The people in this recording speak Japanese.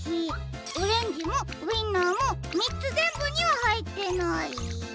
オレンジもウインナーもみっつぜんぶにははいってない。